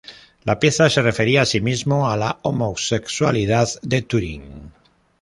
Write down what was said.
La pieza se refería asimismo a la homosexualidad de Turing.